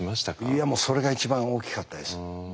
いやもうそれが一番大きかったです。